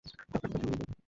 টাকাটা তো তুমিই দেবে।